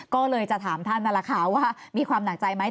ก็เลยจะถามท่านนาราขาวว่ามีความหนังใจไหม